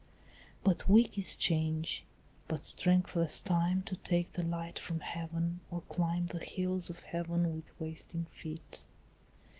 But weak is change, but strengthless time, To take the light from heaven, or climb The hills of heaven with wasting feet.